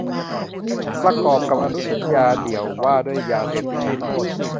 ประกอบกับอนุสัญญาเดี่ยวว่าด้วยยาเสพติดให้โทษ